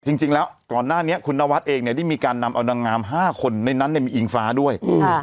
จริงแล้วก่อนหน้านี้คุณนวัดเองเนี่ยได้มีการนำเอานางงาม๕คนในนั้นมีอิงฟ้าด้วย